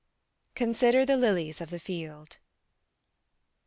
"CONSIDER THE LILIES OF THE FIELD."